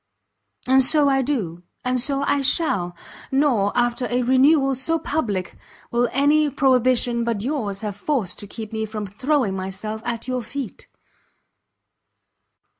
And so I do, and so I shall! nor, after a renewal so public, will any prohibition but yours have force to keep me from throwing myself at your feet.